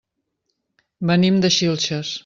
Venim de Xilxes.